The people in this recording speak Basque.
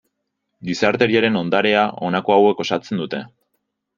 Gizateriaren Ondarea, honako hauek osatzen dute.